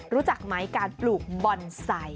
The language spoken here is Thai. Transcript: รู้จักไหมการปลูกบอนไซค์